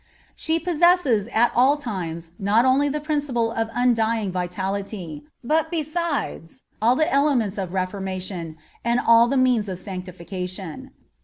She possesses, at all times, not only the principle of undying vitality, but, besides, all the elements of reformation, and all the means of sanctification.